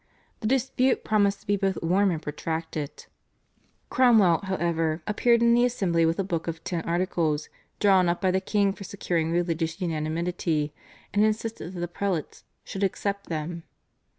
The dispute promised to be both warm and protracted. Cromwell, however, appeared in the assembly with a book of /Ten Articles/ drawn up by the king for securing religious unanimity, and insisted that the prelates should accept them.